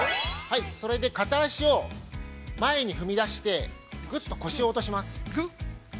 それで片足を前に踏み出してぐっと腰を落とします。